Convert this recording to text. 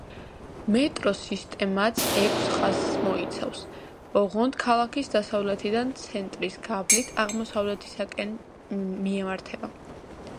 მეტროს სისტემაც ექვს ხაზს მოიცავს, ოღონდ ქალაქის დასავლეთიდან, ცენტრის გავლით, აღმოსავლეთისაკენ მიემართება.